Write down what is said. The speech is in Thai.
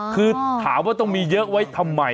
คือถามว่าต้องมีเยอะไว้ทำไม